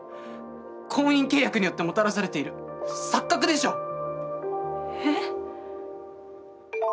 婚姻契約によってもたらされている錯覚でしょう？え？